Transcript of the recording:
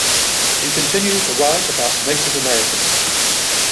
He continued to write about Native Americans.